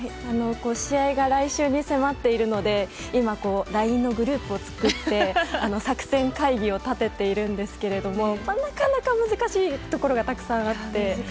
試合が来週に迫っているので今、ＬＩＮＥのグループを作って作戦会議を立てているんですけどなかなか難しいところがたくさんあって。